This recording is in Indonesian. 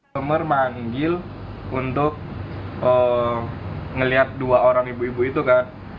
pemer manggil untuk melihat dua orang ibu ibu itu kan